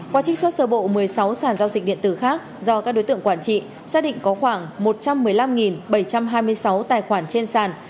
qua trích xuất sơ bộ một mươi sáu sản giao dịch điện tử khác do các đối tượng quản trị xác định có khoảng một trăm một mươi năm bảy trăm hai mươi sáu tài khoản trên sàn